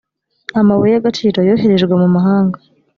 amabuye y ‘agaciro yoherejwe mu mahanga